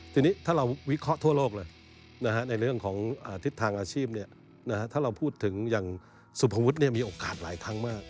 ทีนี้ถ้าเราวิเคราะห์ทั่วโลกเลยในเรื่องของทิศทางอาชีพถ้าเราพูดถึงอย่างสุภวุฒิมีโอกาสหลายครั้งมาก